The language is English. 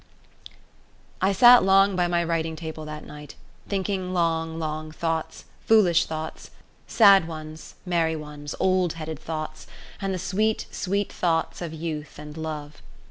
I sat long by my writing table that night thinking long, long thoughts, foolish thoughts, sad ones, merry ones, old headed thoughts, and the sweet, sweet thoughts of youth and love.